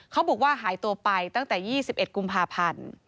เขาบอกว่าหายตัวไปตั้งแต่๒๑กุมภาพันธ์